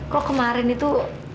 kok kemarin itu